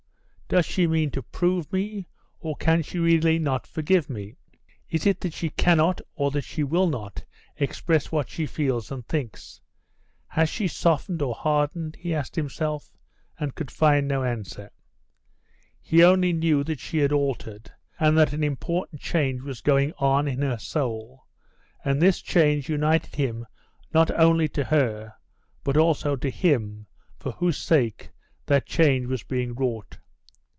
Does she mean to prove me, or can she really not forgive me? Is it that she cannot or that she will not express what she feels and thinks? Has she softened or hardened?" he asked himself, and could find no answer. He only knew that she had altered and that an important change was going on in her soul, and this change united him not only to her but also to Him for whose sake that change was being wrought.